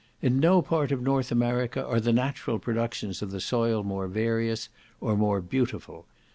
In no part of North America are the natural productions of the soil more various, or more beautiful.